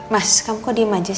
misin kamu kok diem aja sih mas